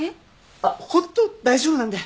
あっホント大丈夫なんで。